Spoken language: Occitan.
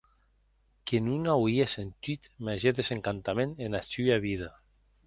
Que non auie sentut màger desencantament ena sua vida.